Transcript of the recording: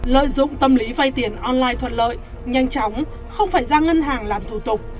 lợi dụng tâm lý vay tiền online thuận lợi nhanh chóng không phải ra ngân hàng làm thủ tục